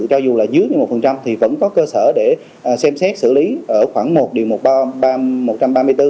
cho dù là dưới một thì vẫn có cơ sở để xem xét xử lý ở khoảng một điều một trăm ba mươi bốn